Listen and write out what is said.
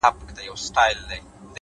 مهرباني بې له لګښته شتمني ده,